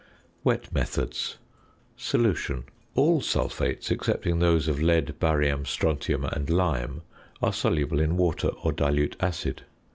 WET METHODS. ~Solution.~ All sulphates, excepting those of lead, barium, strontium, and lime, are soluble in water or dilute acid.